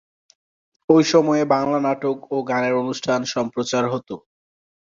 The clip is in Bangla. ওই সময়ে বাংলা নাটক ও গানের অনুষ্ঠান সম্প্রচার হতো।